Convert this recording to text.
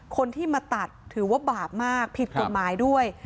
คนที่มาตัดถือว่าบาปมากผิดกฎหมายด้วย